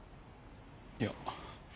いや。